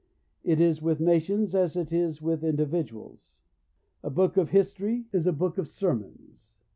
It is with nations as it is with individuals. A book of history is a book of sermons.